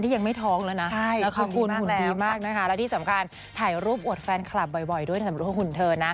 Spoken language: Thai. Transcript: ดีมากนะคะและที่สำคัญถ่ายรูปอวดแฟนคลับบ่อยด้วยนะสมมุติว่าหุ่นเธอนะ